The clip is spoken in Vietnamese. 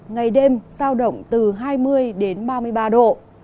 ngày đêm giao động từ hai mươi đến ba mươi ba độ